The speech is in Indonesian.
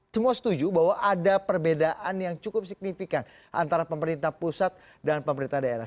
semua setuju bahwa ada perbedaan yang cukup signifikan antara pemerintah pusat dan pemerintah daerah